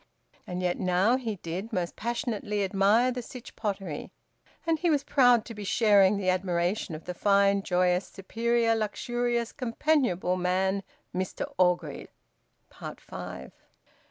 And yet now he did most passionately admire the Sytch Pottery. And he was proud to be sharing the admiration of the fine, joyous, superior, luxurious, companionable man, Mr Orgreave. FIVE.